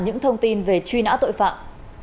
những thông tin về truy nã tội phạm